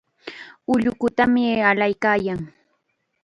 Ullukutam allaykaayaa.